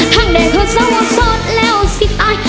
ถ้างดี้ก็สวสอบแล้วสิตาย